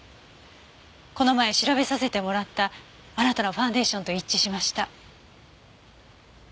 この前調べさせてもらったあなたのファンデーションと一致しました。